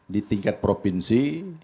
di tingkat provinsi